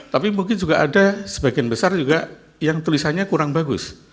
tapi mungkin juga ada sebagian besar juga yang tulisannya kurang bagus